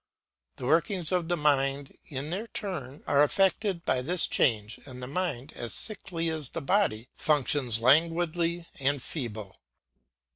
The workings of the mind, in their turn, are affected by this change, and the mind, as sickly as the body, functions languidly and feebly.